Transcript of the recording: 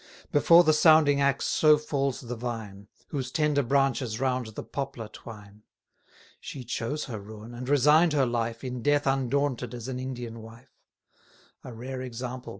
Before the sounding axe so falls the vine, Whose tender branches round the poplar twine. 440 She chose her ruin, and resign'd her life, In death undaunted as an Indian wife: A rare example!